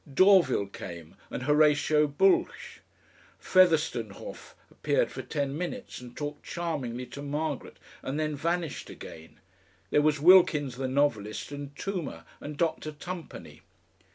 Dorvil came, and Horatio Bulch; Featherstonehaugh appeared for ten minutes and talked charmingly to Margaret and then vanished again; there was Wilkins the novelist and Toomer and Dr. Tumpany.